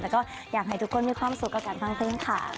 แล้วก็อยากให้ทุกคนมีความสุขกับการฟังเพลิงค่ะ